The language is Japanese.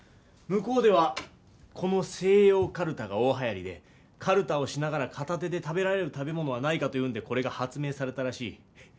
向こうではこの西洋カルタが大はやりでカルタをしながら片手で食べられる食べ物はないかというんでこれが発明されたらしい。